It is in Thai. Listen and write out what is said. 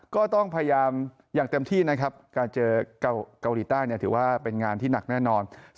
ก็ต้องพยายามอย่างเต็มที่นะครับการเจอเกาหลีใต้ถือว่าเป็นงานที่หนักแน่นอน